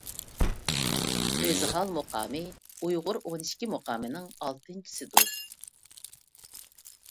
ئۆزھال مۇقامى ئۇيغۇر ئون ئىككى مۇقامىنىڭ ئالتىنچىسىدۇر.